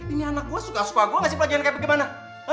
ini anak gue suka suka gue gak sih pelajaran kayak gimana